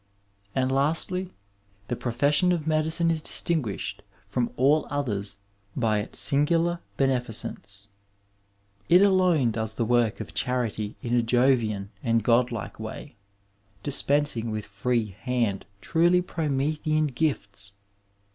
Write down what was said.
And lastly, the profession of medicine is distinguished from all others by its singvlar beneficence. It alone does the work of charity in a Jovian and God like way, dis pensing with free hand truly Promethean gifts.